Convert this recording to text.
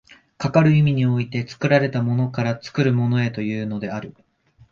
かかる意味において、作られたものから作るものへというのである。